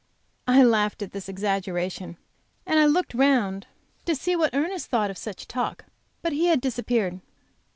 I laughed at this exaggeration, and looked round to see what Ernest thought of such talk. But he had disappeared.